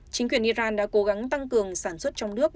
chính quyền iran đã cố gắng tăng cường sản xuất trong nước